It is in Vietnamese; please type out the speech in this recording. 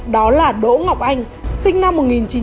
đó là đỗ ngọc anh sinh năm một nghìn chín trăm sáu mươi bốn